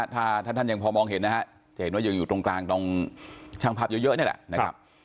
ถ้าท่านยังพอมองเห็นจะเห็นว่าอยู่ตรงกลางตรงช่างพับเยอะนี่แหละ